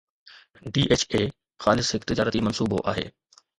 DHA خالص هڪ تجارتي منصوبو آهي.